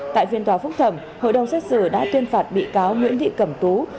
tại phiên tòa phúc thẩm hội đồng xét xử đã tuyên phạt bị cáo nguyễn thị cẩm tú